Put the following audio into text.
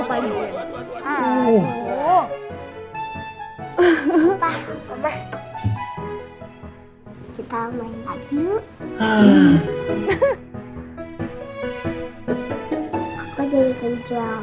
aku jadikan cuaca